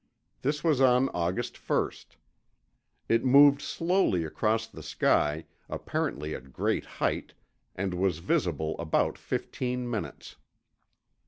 This was on August 1. It moved slowly across the sky, apparently at great height, and was visible about fifteen minutes.